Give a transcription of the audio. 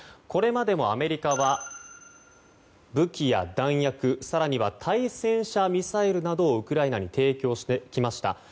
これまでもアメリカは武器や弾薬更には対戦車ミサイルなどをウクライナに提供してきました。